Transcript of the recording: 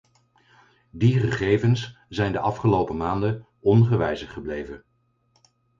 Die gegevens zijn de afgelopen maanden ongewijzigd gebleven.